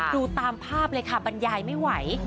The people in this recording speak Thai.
ดูตามภาพเลยค่ะบรรยายไม่ไหว